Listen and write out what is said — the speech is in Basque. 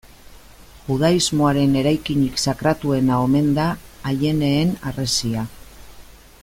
Judaismoaren eraikinik sakratuena omen da Aieneen Harresia.